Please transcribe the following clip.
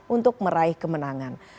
untuk meraih kemenangan